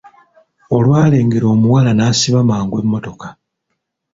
Olwalengera omuwala n'asiba mangu emmotoka.